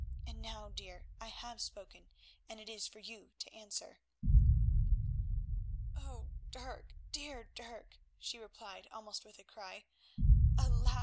And now, dear, I have spoken, and it is for you to answer." "Dirk, dear Dirk," she replied almost with a cry, "alas!